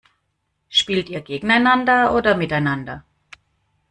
Spielt ihr gegeneinander oder miteinander?